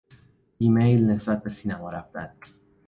بیمیل نسبت به سینما رفتن